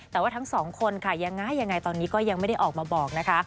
แต่ว่าทั้งสองคนค่ะยังไงตอนนี้ก็ยังไม่ได้ออกมาบอกนะคะ